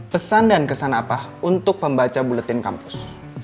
pesan dan kesan apa untuk pembaca buletin kampus